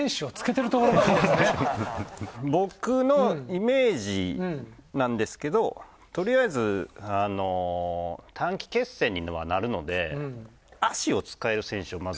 僕のイメージなんですけどとりあえずあの短期決戦にはなるので足を使える選手をまず置きたい。